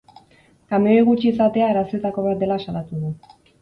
Kamioi gutxi izatea arazoetako bat dela salatu du.